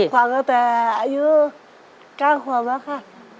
ฟังตั้งแต่อายุ๙ขวบแล้วค่ะ